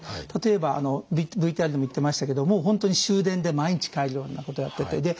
例えばＶＴＲでも言ってましたけどもう本当に終電で毎日帰るようなことをやってて。